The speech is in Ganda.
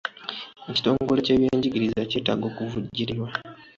Ekitongole ky'ebyenjigiriza kyetaaga okuvujjirirwa.